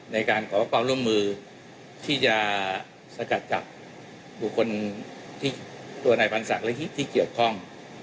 ในการก่อความร่วมมือที่จะสกัดกับบุคคลที่ตัวไหนบรรษักฤทธิ์ที่เกี่ยวข้อง